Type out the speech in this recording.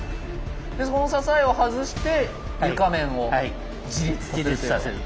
この支えを外して床面を自立させると。